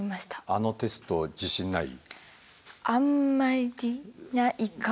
あのテスト自信ない？